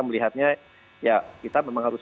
melihatnya ya kita memang harus